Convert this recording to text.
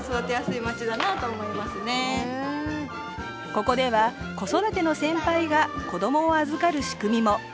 ここでは子育ての先輩が子どもを預かる仕組みも。